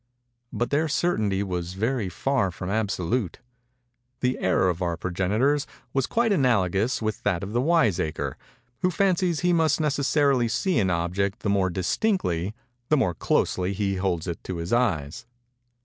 But their certainty was very far from absolute. The error of our progenitors was quite analogous with that of the wiseacre who fancies he must necessarily see an object the more distinctly, the more closely he holds it to his eyes.